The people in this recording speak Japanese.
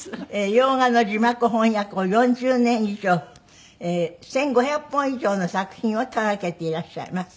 洋画の字幕翻訳を４０年以上１５００本以上の作品を手がけていらっしゃいます。